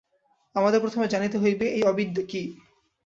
আমাদের প্রথমে জানিতে হইবে, এই অবিদ্যা কি।